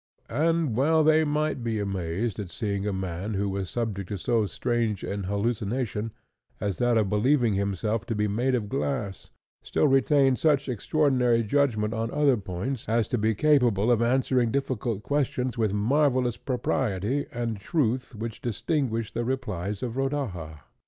And well they might be amazed at seeing a man who was subject to so strange an hallucination as that of believing himself to be made of glass, still retain such extraordinary judgment on other points as to be capable of answering difficult questions with the marvellous propriety and truth which distinguished the replies of Rodaja.